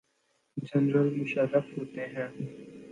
General Musharraf ہوتے ہیں۔